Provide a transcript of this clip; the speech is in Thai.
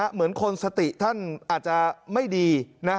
เหมือนคนสติท่านอาจจะไม่ดี